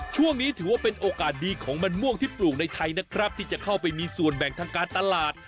ถือว่าเป็นโอกาสดีของมันม่วงที่ปลูกในไทยนะครับที่จะเข้าไปมีส่วนแบ่งทางการตลาด